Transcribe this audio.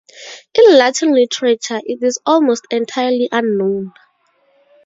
In Latin literature it is almost entirely unknown.